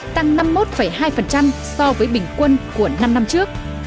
tăng năm mươi một hai so với bình quân của năm năm trước